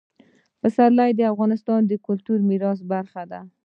پسرلی د افغانستان د کلتوري میراث برخه ده.